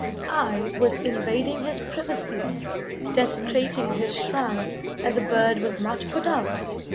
I was invading his privacy, desecrating his shrine, and the bird was much put out.